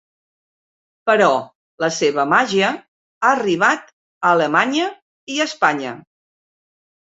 Però la seva màgia ha arribat a Alemanya i a Espanya.